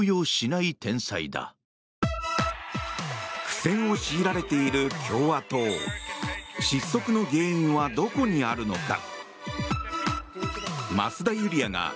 苦戦を強いられている共和党失速の原因はどこにあるのか。